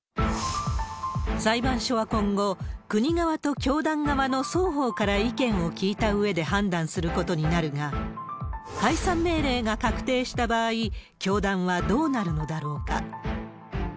裁判所は今後、国側と教団側の双方から意見を聞いたうえで判断することになるが、解散命令が確定した場合、教団はどうなるのだろうか。